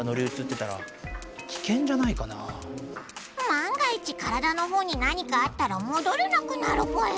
万が一体のほうになにかあったらもどれなくなるぽよ。